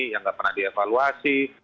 yang nggak pernah dievaluasi